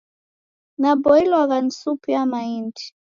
Naboilwagha ni supu ya maindi.